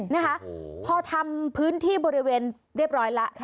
นะคะพอทำพื้นที่บริเวณเรียบร้อยแล้ว